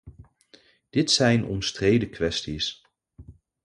Dit zijn omstreden kwesties.